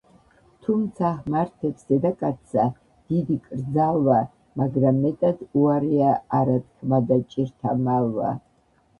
თუცა ჰმართებს დედაკაცსა დიდი კრძალვა, მაგრა მეტად უარეა არა- თქმა და ჭირთა მალვა